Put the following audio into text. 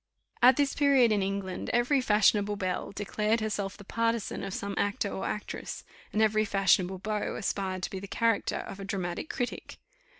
At this period, in England, every fashionable belle declared herself the partisan of some actor or actress; and every fashionable beau aspired to the character of a dramatic critic.